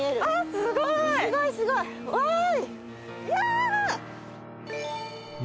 すごいすごいわい。